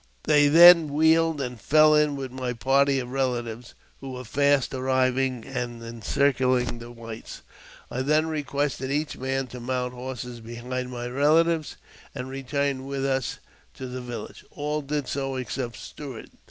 They then wheeled, and fell in with my party of relatives^! who were fast arriving and encircling the whites. I then I requested each man to mount horse behind my relatives, and ; return with us to the village. All did so except Stuart.